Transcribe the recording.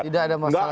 tidak ada masalah